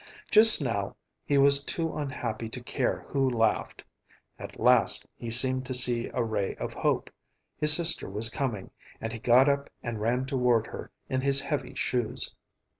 Just now, he was too unhappy to care who laughed. At last he seemed to see a ray of hope: his sister was coming, and he got up and ran toward her in his heavy shoes.